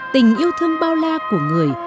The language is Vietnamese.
tình yêu thương bao la của người